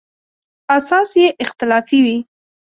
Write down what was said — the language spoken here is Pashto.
اساس یې اختلافي وي.